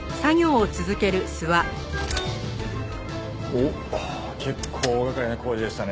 おっ結構大掛かりな工事でしたね